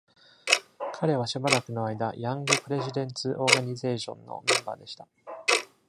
彼はしばらくの間、ヤング・プレジデンツ・オーガニゼーションのメンバーでした。